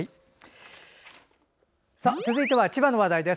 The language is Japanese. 続いては千葉の話題です。